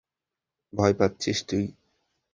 ভয় পাচ্ছিস তুই?